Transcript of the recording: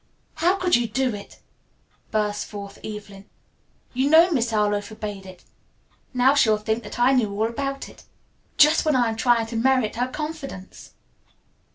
"How could you do it?" burst forth Evelyn. "You know Miss Harlowe forbade it. Now she will think that I knew all about it. Just when I am trying to merit her confidence."